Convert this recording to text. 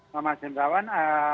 pak mas jendrawan